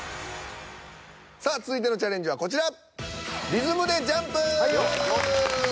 さあ続いてのチャレンジはこちら。